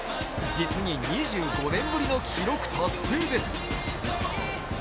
実に２５年ぶりの記録達成です。